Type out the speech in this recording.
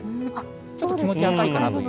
ちょっと気持ち赤いかなという。